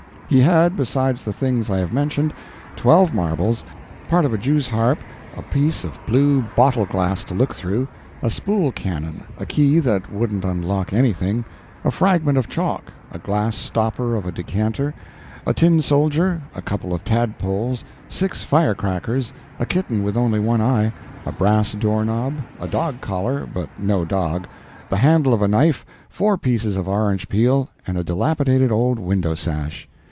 He had, besides the things I have mentioned, twelve marbles, part of a jew's harp, a piece of blue bottle glass to look through, a spool cannon, a key that wouldn't unlock anything, a fragment of chalk, a glass stopper of a decanter, a tin soldier, a couple of tadpoles, six fire crackers, a kitten with only one eye, a brass door knob, a dog collar but no dog the handle of a knife, four pieces of orange peel, and a dilapidated old window sash.